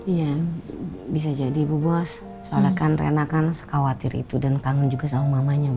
iya bisa jadi ibu bos soalnya kan rena kan sekwatir itu dan kangen juga sama mamanya